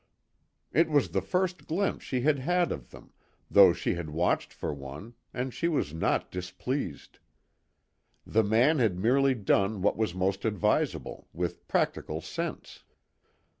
It was the first glimpse she had had of them, though she had watched for one, and she was not displeased. The man had merely done what was most advisable, with practical sense.